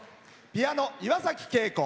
ピアノ、岩崎恵子。